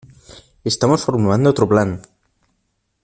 ¡ Estamos formulando otro plan!